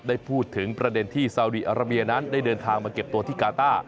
ได้พูดถึงประเด็นที่ซาวดีอาราเบียนั้นได้เดินทางมาเก็บตัวที่กาต้า